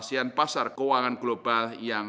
rendah sekitar satu lima miliard dolar as